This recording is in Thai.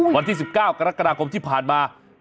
วันที่๑๙กรกฎาคมที่ผ่านมา